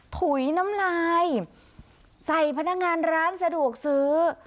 ถุยน้ำลายใส่พนักงานร้านสะดวกซื้อ